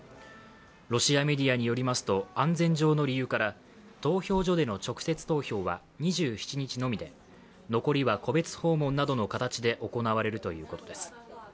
ロシアメディアによりますと安全上の理由から投票所での直接投票は２７日のみで、残りは戸別訪問などの形で行われるということです。